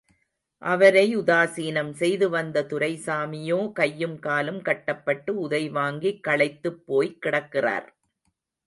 அவரை உதாசீனம் செய்து வந்த துரைசாமியோ, கையும் காலும் கட்டப்பட்டு உதைவாங்கிக் களைத்து போய்கிடக்கிறார்.